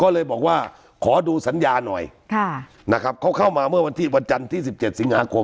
ก็เลยบอกว่าขอดูสัญญาหน่อยนะครับเขาเข้ามาเมื่อวันที่วันจันทร์ที่๑๗สิงหาคม